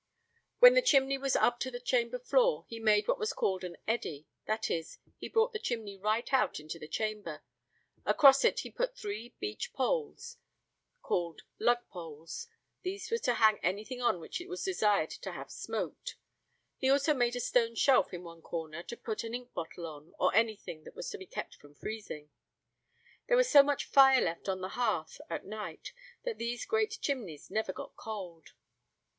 When the chimney was up to the chamber floor, he made what was called an eddy; that is, he brought the chimney right out into the chamber. Across it he put three beech poles, called lug poles: these were to hang anything on which it was desired to have smoked. He also made a stone shelf in one corner to put an ink bottle on, or anything that was to be kept from freezing. There was so much fire left on the hearth at night that these great chimneys never got cold.